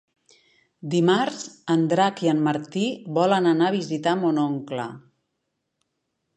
Dimarts en Drac i en Martí volen anar a visitar mon oncle.